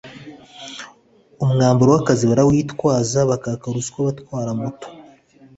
umwambaro w’akazi barawitwaza bakaka ruswa abatwara moto